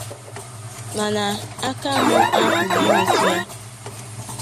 mana aka mụ apụghị imetụ ya